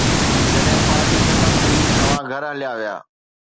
جڏهن پارٽي ختم ٿي، توهان گهر هليا ويا.